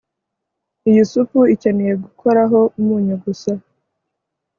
iyi supu ikeneye gukoraho umunyu gusa